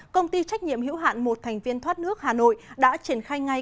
công ty trách nhiệm hữu hạn một thành viên thoát nước hà nội đã triển khai ngay